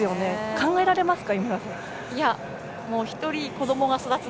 考えられますか。